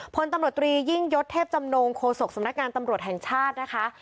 พลตำรวจตรียิ่งยศเทพจำนงโคศกสำนักงานตำรวจแห่งชาตินะคะ